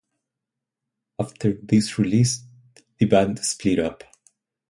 After this release the band split up.